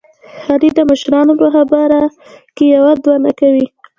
علي د مشرانو په خبره کې یوه دوه نه کوي.